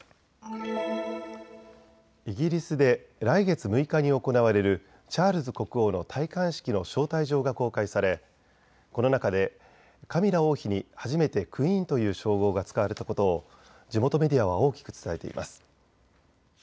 イギリスで来月６日に行われるチャールズ国王の戴冠式の招待状が公開されこの中でカミラ王妃に初めてクイーンという称号が使われたことを地元メディアは大きく伝えています。